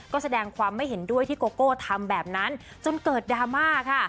ก็แสดงความไม่เห็นด้วยที่โกโก้ทำแบบนั้นจนเกิดดราม่าค่ะ